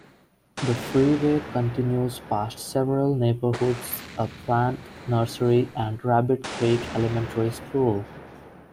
The freeway continues past several neighborhoods, a plant nursery, and Rabbit Creek Elementary School.